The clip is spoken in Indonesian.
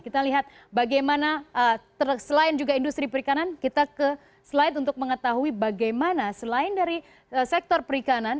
kita lihat bagaimana selain juga industri perikanan kita ke slide untuk mengetahui bagaimana selain dari sektor perikanan